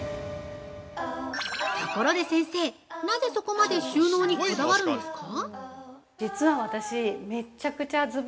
ところで先生、なぜそこまで収納にこだわるんですか？